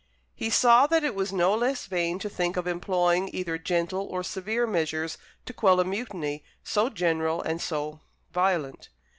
He saw that it was no less vain to think of employing either gentle or severe measures to quell a mutiny so general and so violent.